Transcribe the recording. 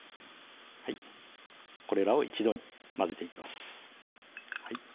これらを一度に混ぜていきます